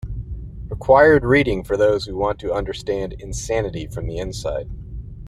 Required reading for those who want to understand insanity from the inside.